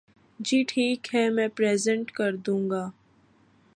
جی ٹھیک ہے میں پریزینٹ کردوں گا۔